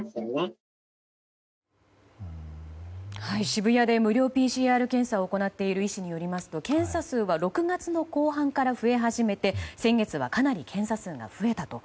渋谷で無料ＰＣＲ検査を行っている医師によりますと検査数は６月の後半から増え始めて先月はかなり検査数が増えたと。